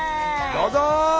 どうぞ。